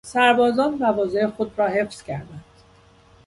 سربازان مواضع خود را حفظ کردند.